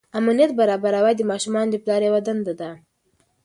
امنیت برابروي د ماشومانو د پلار یوه دنده ده.